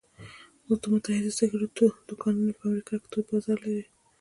اوس د متحده سګرېټو دوکانونه په امریکا کې تود بازار لري